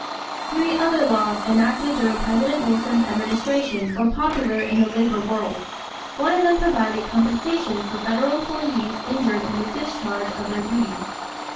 Three other laws enacted during President Wilson's administration were popular in the labor world. One of them provided compensation for federal employees injured in the discharge of their duties.